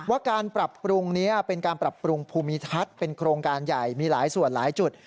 ว่าการปรับปรุงนี้เป็นการปรับปรุงภูมิทัศน์เป็นโครงการใหญ่มีหลายส่วนหลายจุด